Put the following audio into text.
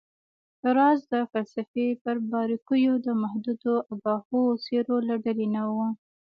راز د فلسفې پر باریکیو د محدودو آګاهو څیرو له ډلې نه و